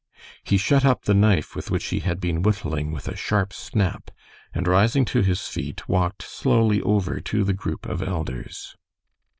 He shut up the knife with which he had been whittling with a sharp snap, and rising to his feet, walked slowly over to the group of elders.